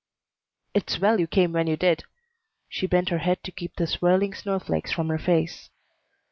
"It's well you came when you did." She bent her head to keep the swirling snowflakes from her face.